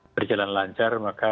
berjalan lancar maka